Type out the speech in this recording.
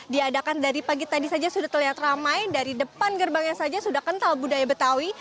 diadakan dari pagi tadi saja sudah terlihat ramai dari depan gerbangnya saja sudah kental budaya betawi